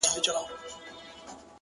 دا ده کوچي ځوانيمرگې نجلۍ تول دی’